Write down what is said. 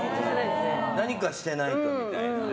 何かしてないとみたいな。